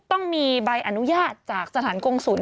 ต้องมีใบอนุญาตจากสถานกงศูนย